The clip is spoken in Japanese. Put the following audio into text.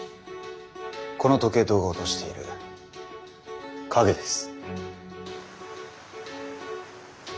この時計塔が落としている影です。